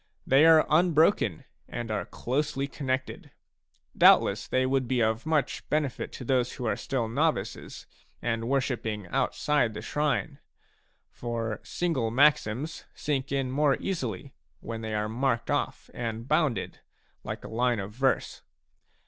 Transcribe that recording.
They are unbroken and are closely connected. Doubtless they would be of much benefit to those who are still novices and worshipping outside the shrine ; for single maxims sink in more easily when they are marked off and bounded like a line of verse.